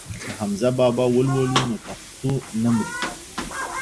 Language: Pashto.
که حمزه بابا ولولو نو پښتو نه مري.